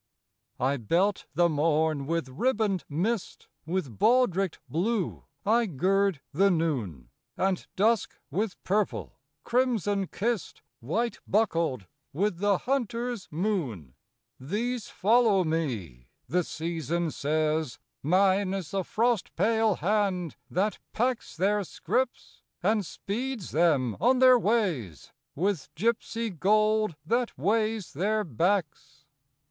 "I belt the morn with ribboned mist; With baldricked blue I gird the noon, And dusk with purple, crimson kissed, White buckled with the hunter's moon. "These follow me," the season says: "Mine is the frost pale hand that packs Their scrips, and speeds them on their ways, With gipsy gold that weighs their backs."